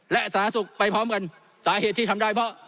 และสาธารณสุขไปพร้อมกันสาเหตุที่ทำได้เพราะ